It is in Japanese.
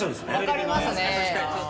分かりますね。